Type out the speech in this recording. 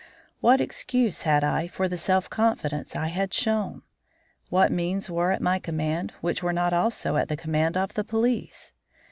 What excuse had I for the self confidence I had shown? What means were at my command which were not also at the command of the police?